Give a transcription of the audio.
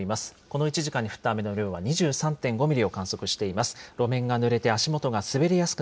この１時間に降った雨の量は２３．５ミリを観測しています。